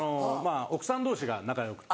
奥さん同士が仲良くて。